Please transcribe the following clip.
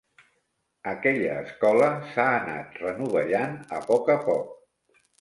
Aquella escola s'ha anat renovellant a poc a poc.